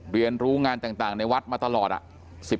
เรียนรู้งานต่างในวัดมาตลอด